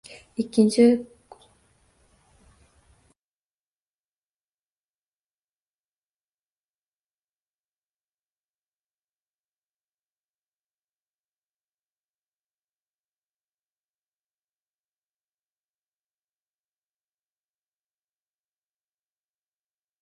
Qarz miqdorining necha foizi bo‘yicha penya belgilanadi?